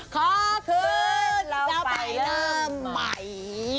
ขอคืนเราไปเริ่มใหม่